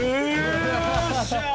よっしゃ！